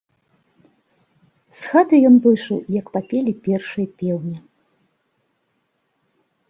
З хаты ён выйшаў, як папелі першыя пеўні.